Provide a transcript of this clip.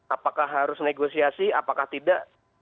apakah harus negosiasi apakah tidak